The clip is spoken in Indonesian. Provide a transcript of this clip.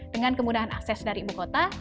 dengan kemudahan akses dari ibu kota